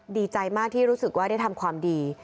ดีใจมากที่รู้สึกว่าได้ทำความดี